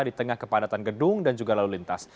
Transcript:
di tengah kepadatan gedung dan juga lalu lintas